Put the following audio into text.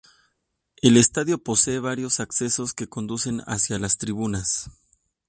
El estadio posee varios accesos que conducen hacia las tribunas.